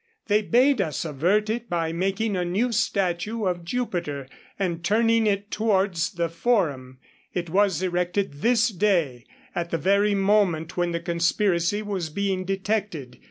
They bade us avert it by making a new statue of Jupiter, and turning it towards the Forum; it was erected this day, at the very moment when the conspiracy was being detected.